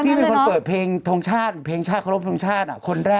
พี่เป็นคนเปิดเพลงทรงชาติเพลงชาติเคารพทรงชาติคนแรก